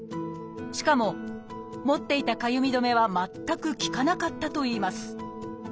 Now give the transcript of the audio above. しかも持っていたかゆみ止めは全く効かなかったといいます。